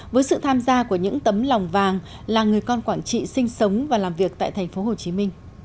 với sự tham gia của những tấm lòng vàng là người con quảng trị sinh sống và làm việc tại tp hcm